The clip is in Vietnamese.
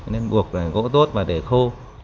nên buộc là gỗ tốt và để khô